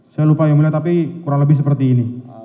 saya lupa yang mulia tapi kurang lebih seperti ini